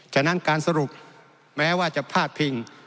ฉะนั้นการสรุปแม้ว่าจะพาดพิง